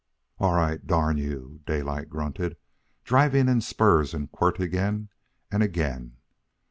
"All right, darn you!" Daylight grunted, driving in spurs and quirt again and again.